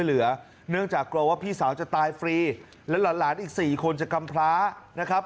เนื่องจากกลัวว่าพี่สาวจะตายฟรีและหลานอีก๔คนจะกำพลานะครับ